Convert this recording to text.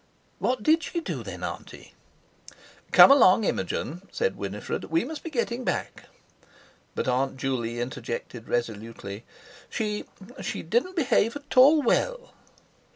"What did she do, then, Auntie?" "Come along, Imogen," said Winifred, "we must be getting back." But Aunt Juley interjected resolutely: "She—she didn't behave at all well."